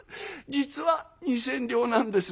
実は二千両なんです」。